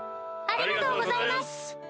ありがとうございやす。